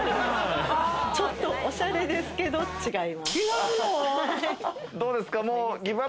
ちょっとおしゃれですけど違います。